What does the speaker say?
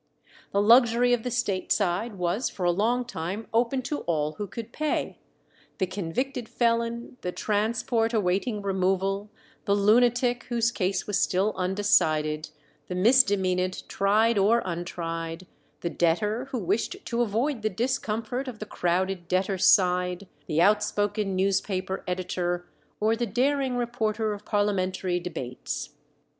The luxury of the state side was for a long time open to all who could pay the convicted felon, the transport awaiting removal, the lunatic whose case was still undecided, the misdemeanant tried or untried, the debtor who wished to avoid the discomfort of the crowded debtors' side, the outspoken newspaper editor, or the daring reporter of parliamentary debates.